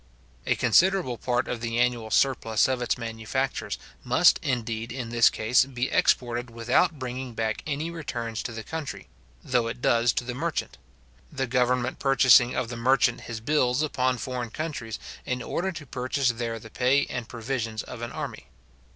A considerable part of the annual surplus of its manufactures must, indeed, in this case, be exported without bringing back any returns to the country, though it does to the merchant; the government purchasing of the merchant his bills upon foreign countries, in order to purchase there the pay and provisions of an army.